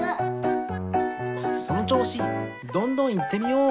そのちょうしどんどんいってみよう！